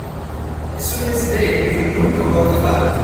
As soon as they looked over the wall.